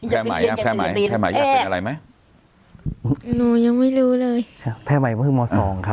แพทย์ใหม่อยากเป็นอะไรไหมยังไม่รู้เลยแพทย์ใหม่ม๒ครับ